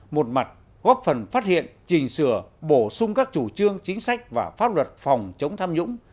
một mặt góp phần phát hiện trình sửa bổ sung các chủ trương chính sách và pháp luật phòng chống tham nhũng